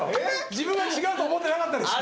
自分が違うと思ってなかったでしょ。